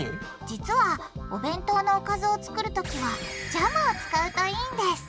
実はお弁当のおかずを作るときはジャムを使うといいんです！